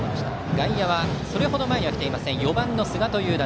外野はそれほど前には来ていません。